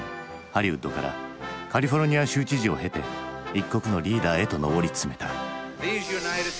ハリウッドからカリフォルニア州知事を経て一国のリーダーへと上り詰めた。